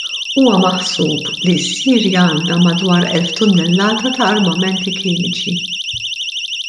Huwa maħsub li s-Sirja għandha madwar elf tunnellata ta' armamenti kimiċi.